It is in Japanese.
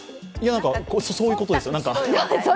なんか、そういうことですよ